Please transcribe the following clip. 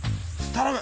頼む。